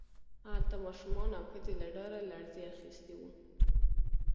هلته ماشومان او ښځې له ډاره لړزې اخیستي وو